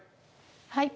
はい。